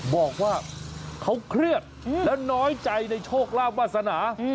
บอกว่าเขาเครียดและน้อยใจในโชคลาภวาสนา